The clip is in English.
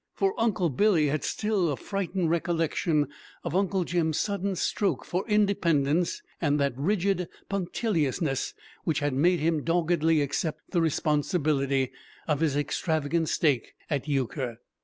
For Uncle Billy had still a frightened recollection of Uncle Jim's sudden stroke for independence, and that rigid punctiliousness which had made him doggedly accept the responsibility of his extravagant stake at euchre.